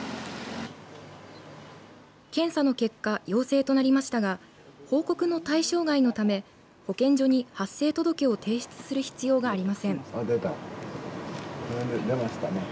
検査の結果、陽性となりましたが報告の対象外のため保健所に発生届を提出する必要がありません。